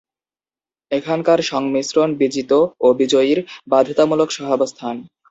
এখানকার সংমিশ্রণ বিজিত ও বিজয়ীর বাধ্যতামূলক সহাবস্থান।